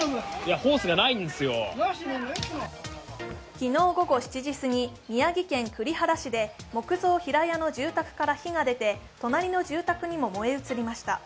昨日午後７時過ぎ、宮城県栗原市で木造平屋の住宅から火が出て隣の住宅にも燃え移りました。